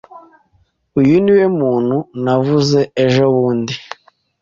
Uyu niwe muntu navuze ejobundi.